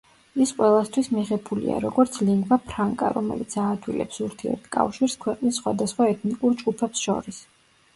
ის ყველასთვის მიღებულია, როგორც ლინგვა ფრანკა, რომელიც აადვილებს ურთიერთკავშირს ქვეყნის სხვადასხვა ეთნიკურ ჯგუფებს შორის.